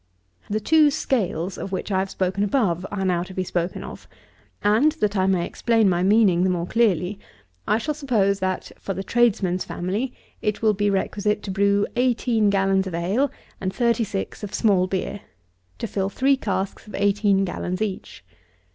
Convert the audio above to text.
42. The two scales of which I have spoken above, are now to be spoken of; and, that I may explain my meaning the more clearly, I shall suppose, that, for the tradesman's family, it will be requisite to brew eighteen gallons of ale and thirty six of small beer, to fill three casks of eighteen gallons each.